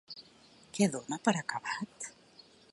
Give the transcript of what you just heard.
Què dona per acabat?